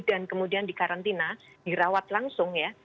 dan kemudian di karantina dirawat langsung ya